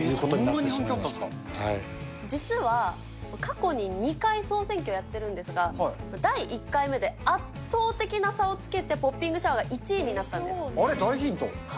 えー、そんなに人気だったん実は過去に２回総選挙やってるんですが、第１回目で圧倒的な差をつけて、ポッピングシャワーが１位になっあれ、大ヒント。